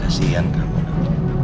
kasian kamu nek